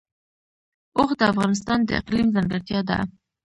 اوښ د افغانستان د اقلیم ځانګړتیا ده.